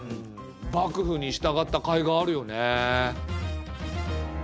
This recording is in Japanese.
幕府に従ったかいがあるよね。